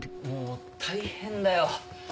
もう大変だよ